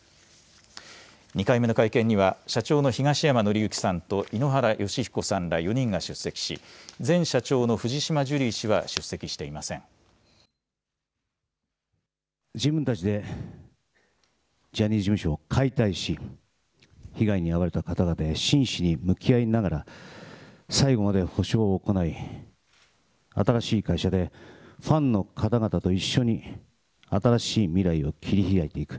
２回目の会見には、社長の東山紀之さんと井ノ原快彦さんら、４人が出席し、前社長の藤島ジュリー自分たちでジャニーズ事務所を解体し、被害に遭われた方々へ真摯に向き合いながら、最後まで補償を行い、新しい会社でファンの方々と一緒に新しい未来を切り開いていく。